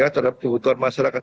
terhadap kebutuhan masyarakat